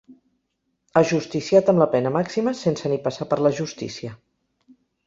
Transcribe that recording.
Ajusticiat amb la pena màxima sense ni passar per la justícia.